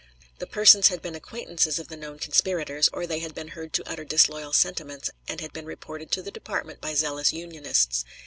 The persons had been acquaintances of the known conspirators, or they had been heard to utter disloyal sentiments and had been reported to the department by zealous Unionists.